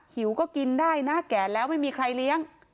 หิวก็กินได้นะแก่แล้วไม่มีใครเลี้ยง